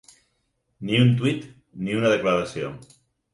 Ni un tuit, ni una declaració.